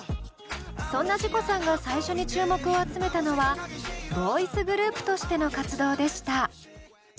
そんなＺＩＣＯさんが最初に注目を集めたのはボーイズグループとしての活動でした。